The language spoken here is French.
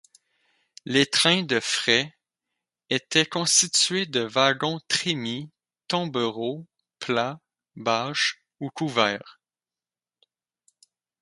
Les trains de fret étaient constitués de wagons trémies, tombereaux, plats, bâches ou couverts.